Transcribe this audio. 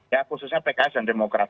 ya khususnya pks dan demokrat